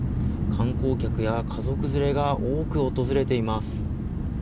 観光客や家族連れが多く訪れています。